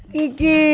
kagak bisa digerakin